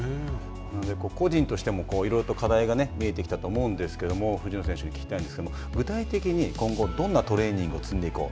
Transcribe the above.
個人としてもいろいろ課題が見えてきたと思うんですけれども、藤野選手に聞きたいんですけど、具体的に、今後、どんなトレーニングを積んでいこう。